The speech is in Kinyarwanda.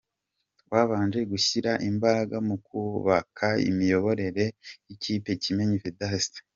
Twabanje gushyira imbaraga mu kubaka imiyoborere y’ikipe-Kimenyi Vedaste.